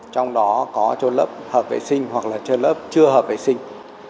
trong đó có trôn lấp hợp vệ sinh hoặc là trôn lấp chưa hợp vệ sinh